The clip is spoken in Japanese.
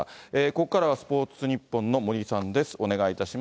ここからはスポーツニッポンの森さんです。